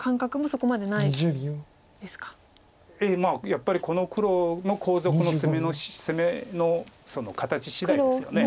やっぱりこの黒の後続の攻めの形しだいですよね。